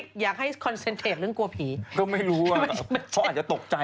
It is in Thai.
กลัวว่าผมจะต้องไปพูดให้ปากคำกับตำรวจยังไง